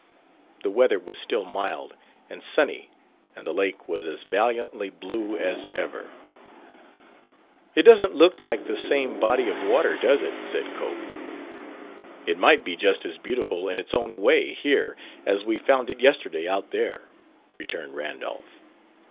The weather was still mild and sunny and the lake was as valiantly blue as ever. "It doesn't look like the same body of water, does it?" said Cope. "It might be just as beautiful in its own way, here, as we found it yesterday, out there," returned Randolph.